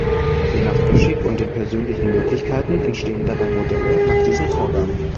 Je nach Geschick und den persönlichen Möglichkeiten entstehen dabei Modelle nach diesen Vorgaben.